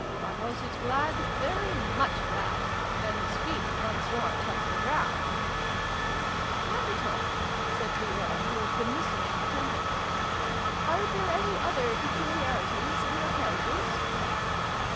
Our horse is glad, very much glad, when his feet once more touch the ground !"" Capital !" said the Earl, who had been listening attentively. "Are there any other peculiarities in your carriages